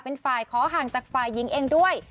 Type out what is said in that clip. เป็นฝ่ายขอห่างจากฝ่ายหญิงเองด้วย